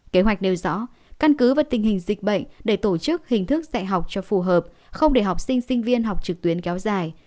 kế hoạch nêu rõ căn cứ và tình hình dịch bệnh để tổ chức hình thức dạy học cho phù hợp không để học sinh sinh viên học trực tuyến kéo dài